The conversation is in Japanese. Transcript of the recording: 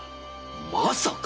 まさか！